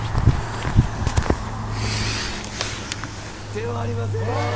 ではありません。